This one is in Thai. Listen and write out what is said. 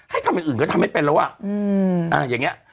ให้ทำอย่างอื่นก็ทำให้เป็นแล้วอ่ะอืมอ่าอย่างเงี้ย